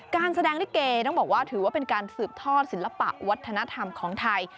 การแสดงลิเกต้องบอกว่าถือว่าเป็นการสืบทอดศิลปะวัฒนธรรมของไทย